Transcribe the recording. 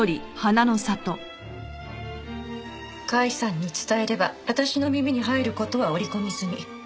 甲斐さんに伝えれば私の耳に入る事は織り込み済み。